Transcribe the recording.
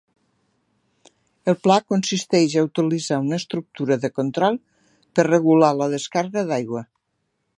El pla consisteix a utilitzar una estructura de control per regular la descàrrega d'aigua.